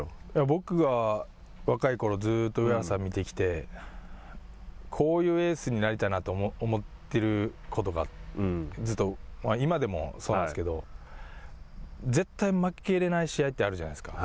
僕が若いころずっと上原さんを見てきてこういうエースになりたいなと思っていることがずっと今でもそうなんですけど、絶対負けれない試合ってあるじゃないですか。